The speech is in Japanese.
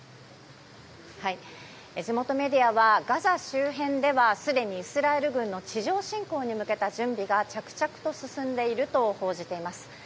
地元メディアはガザ周辺ではすでにイスラエル軍の地上侵攻に向けた準備が着々と進んでいると報じています。